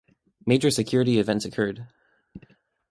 Major security events occurred.